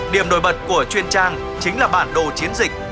điểm nổi bật của truyền trang chính là bản đồ chiến dịch